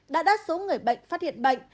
đã đắt số người bệnh phát hiện bệnh